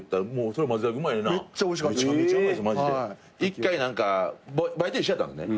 １回何かバイト一緒やったんですね。